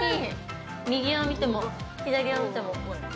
右を見ても、左を見ても。